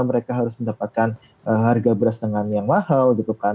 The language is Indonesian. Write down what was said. mereka harus mendapatkan harga beras dengan yang mahal gitu kan